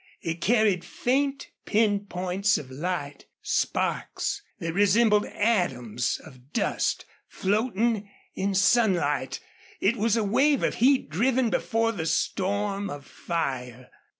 It carried faint pin points of light, sparks, that resembled atoms of dust floating in sunlight. It was a wave of heat driven before the storm of fire.